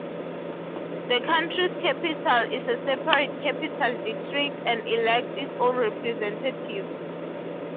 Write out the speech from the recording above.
The country's capital is a separate capital district and elects its own representatives.